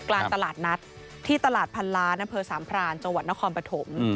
กลางตลาดนัดที่ตลาดพันล้านอำเภอสามพรานจังหวัดนครปฐม